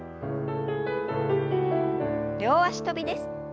両脚跳びです。